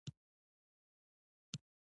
خلکو په قانوني مناسکونو باور درلود.